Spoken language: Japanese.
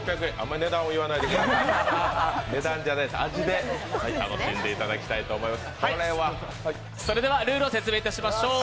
値段じゃないです、味で楽しんでいただきたいと思います。